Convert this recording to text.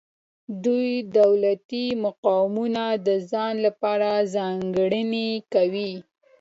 دوی دولتي مقامونه د ځان لپاره ځانګړي کوي.